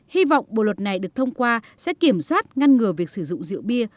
hy vọng bộ luật này được thông qua sẽ kiểm soát ngăn ngừa việc sử dụng rượu bia